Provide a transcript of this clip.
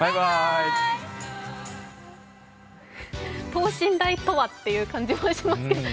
等身大とは？という感じがしますけど。